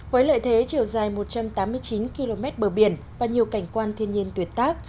với lợi thế chiều dài một trăm tám mươi chín km bờ biển và nhiều cảnh quan thiên nhiên tuyệt tác